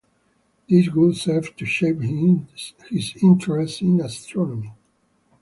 These would serve to shape his interest in astronomy.